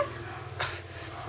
seth duduk seth